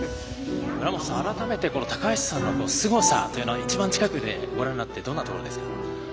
村元さん、改めて高橋さんのすごさというのは一番近くでご覧になっていかがですか？